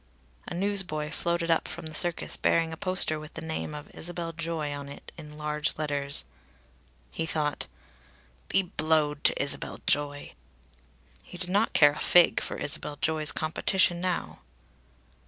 A newsboy floated up from the Circus bearing a poster with the name of Isabel Joy on it in large letters. He thought: "Be blowed to Isabel Joy!" He did not care a fig for Isabel Joy's competition now.